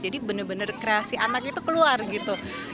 jadi bener bener kreasi anak itu keluar gitu